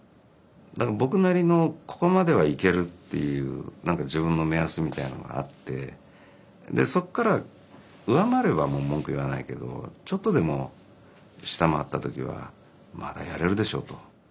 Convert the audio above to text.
僕なりの「ここまではいける」っていう自分の目安みたいなのがあってそこから上回ればもう文句言わないけどちょっとでも下回った時は「まだやれるでしょ？」と。